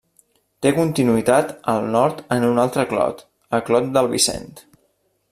Té continuïtat al nord en un altre clot: el Clot del Vicent.